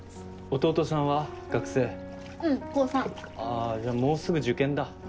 あじゃあもうすぐ受験だ。